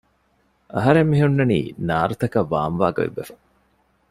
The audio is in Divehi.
އަހަރެން މިހުންނަނީ ނާރުތަކަށް ވާން ވާ ގޮތްވެފަ